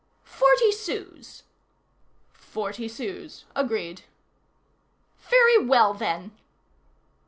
"Forty sous." "Forty sous; agreed." "Very well, then!"